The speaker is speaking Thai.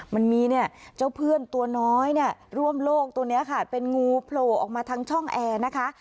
มันมีเนี่ยเจ้าเพื่อนตัวน้อยเนี่ยร่วมโลกตัวนี้ค่ะเป็นงูโผล่ออกมาทางช่องแอร์นะคะ